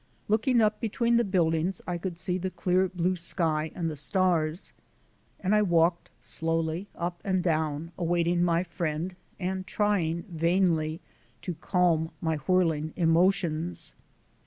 Looking up between the buildings I could see the clear blue sky and the stars. And I walked slowly up and down awaiting my friend and trying, vainly to calm my whirling emotions.